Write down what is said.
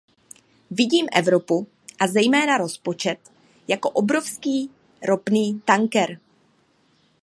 Vidím Evropu, a zejména rozpočet, jako obrovský ropný tanker.